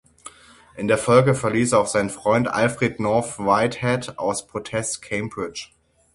In der Folge verließ auch sein Freund Alfred North Whitehead aus Protest Cambridge.